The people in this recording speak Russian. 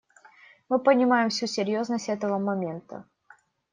Мы понимаем всю серьезность этого момента.